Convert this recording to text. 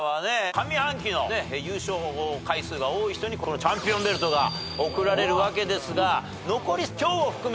上半期の優勝回数が多い人にこのチャンピオンベルトが贈られるわけですが残り今日を含め３回。